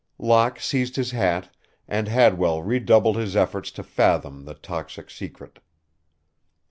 Locke seized his hat, and Hadwell redoubled his efforts to fathom the toxic secret.